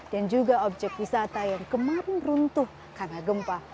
dan juga objek wisata yang kemarin runtuh karena gempa